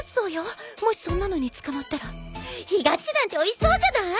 もしそんなのに捕まったらひがっちなんておいしそうじゃない？